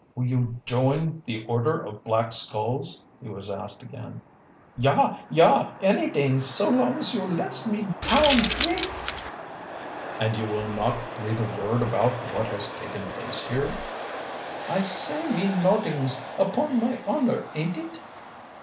"Will you join the Order of Black Skulls"? he was asked again. "Yah, yah! Anydings, so long as you lets me town kvick!" "And you will not breathe a word about what has taken place here"? "I say me noddings, upon my honor, ain't it!"